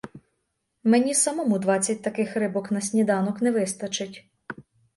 Мені самому двадцять таких рибок на сніданок не вистачить.